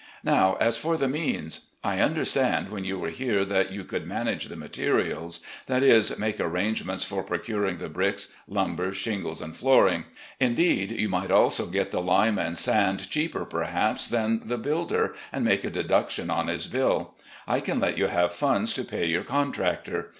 " Now as for the means : I understood when you were here that you could manage the materials — ^that is, make arrangements for procuring the bricks, Itimber, shingles, and flooring. Indeed, you might also get the Hme and sand cheaper, perhaps, than the builder, and make a deduction on his bill. I can let you have funds to pay your contractor.